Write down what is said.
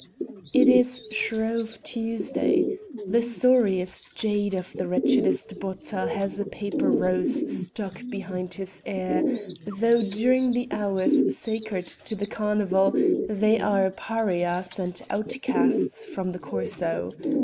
It is Shrove Tuesday. The sorriest jade of the wretchedest botta has a paper rose stuck behind his ear, though during the hours sacred to the carnival they are pariahs and outcasts from the Corso.